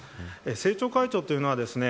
政調会長というのはですね